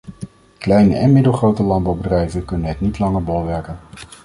Kleine en middelgrote landbouwbedrijven kunnen het niet langer bolwerken.